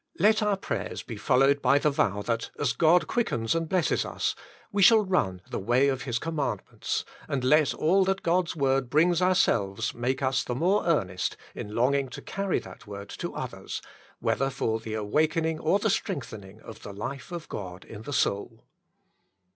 Let our prayers be followed by the vow that as God quickens and blesses us, we shall run the way of His commandments, and let all that God's word brings ourselves make us the more earnest in longing to carry that Word to others, whether for the awakening or the strengthening of the life of God in the soul.